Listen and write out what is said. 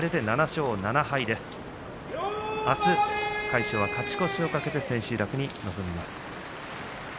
魁勝はあす、勝ち越しを懸けて千秋楽に臨みます。